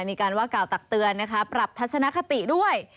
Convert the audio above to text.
มีการว่ากล่าวตักเตือนนะคะปรับทัศนคติด้วย